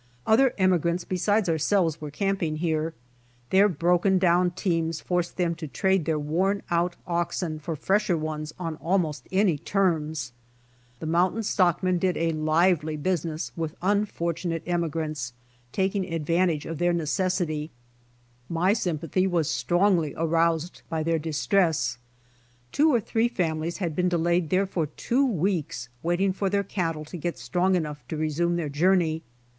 Other emigrants besides ourselves were camp ing here. Their broken dow^l teams forced them to trade their worn out oxen for fresher ones on almost any termjs. The mlountain stockmen did a lively 89 90 BY OX TEAM TO CALIFORNIA business with unfortunate emigrants, taking a woeful adyantage of their necessity. My sympathy was strongly aroused by their distress. Two or three fami lies had been delayed there for two weeks waiting for their cattle to get strong enough to resume their journey.